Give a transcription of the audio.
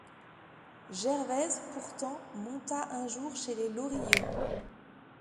Gervaise pourtant monta un jour chez les Lorilleux.